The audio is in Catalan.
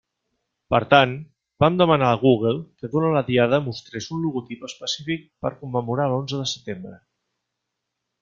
Per tant, vam demanar a Google que durant la Diada mostrés un logotip específic per commemorar l'onze de setembre.